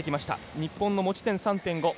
日本の持ち点３．５。